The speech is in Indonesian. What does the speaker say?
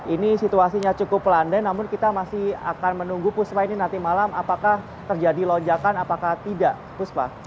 ini situasinya cukup landai namun kita masih akan menunggu puspa ini nanti malam apakah terjadi lonjakan apakah tidak puspa